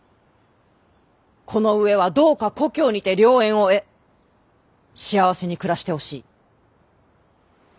この上はどうか故郷にて良縁を得幸せに暮らしてほしい。